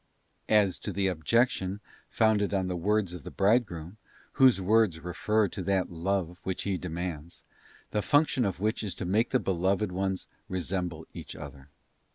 Gifts of the As to the objection founded on the words of the Bride tives of Love. groom, those words refer to that love which He demands, F the function of which is to make the beloved ones resemble 4 each other.